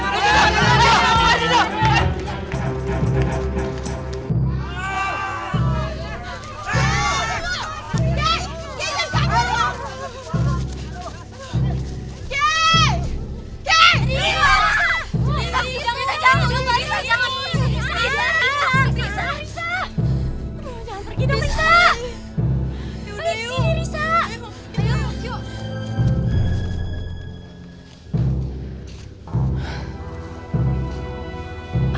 balik sini risa